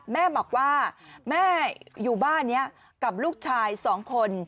แม่บอกว่าแม่อยู่บ้านนี้กับลูกชาย๒คน